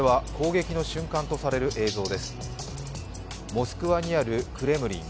モスクワにあるクレムリン。